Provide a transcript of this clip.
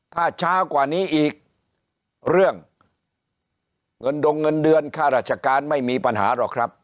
ถ้าช้ากว่านี้อีกเรื่องเงินดงเงินเดือนค่าราชการไม่มีปัญหาหรอกครับ